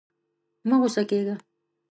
مه غوسه کېږه.